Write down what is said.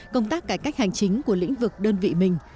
công tác cải cách hành chính của lĩnh vực đơn vị mình